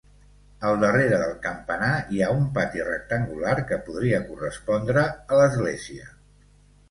Al darrere del campanar hi ha un pati rectangular que podria correspondre a l'església.